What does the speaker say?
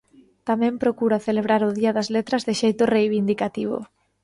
Tamén procura celebrar o Día das Letras de xeito reivindicativo.